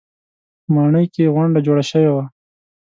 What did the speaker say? ماڼۍ کې غونډه جوړه شوې وه.